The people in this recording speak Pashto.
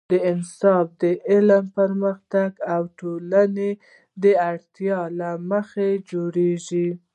دا نصاب د علمي پرمختګ او ټولنې د اړتیاوو له مخې جوړیږي.